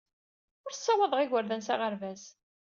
Ur ssawaḍeɣ igerdan s aɣerbaz.